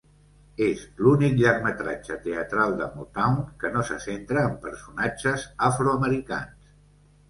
És l'únic llargmetratge teatral de Motown que no se centra en personatges afroamericans.